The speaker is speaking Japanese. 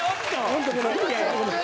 ホントごめん。